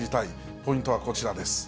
ポイントはこちらです。